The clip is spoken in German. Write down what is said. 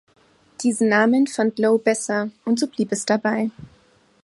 Diesen Namen fand Lowe besser, und so blieb es dabei.